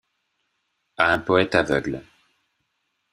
À un poëte aveugle